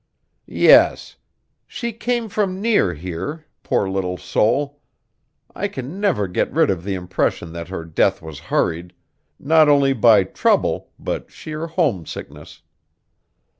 "Yes. She came from near here, poor little soul! I can never get rid of the impression that her death was hurried, not only by trouble, but sheer homesickness.